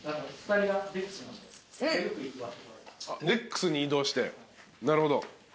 デックスに移動してなるほど。